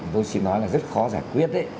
tôi xin nói là rất khó giải quyết